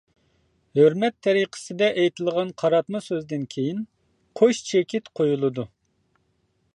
ھۆرمەت تەرىقىسىدە ئېيتىلغان قاراتما سۆزدىن كېيىن قوش چېكىت قويۇلىدۇ.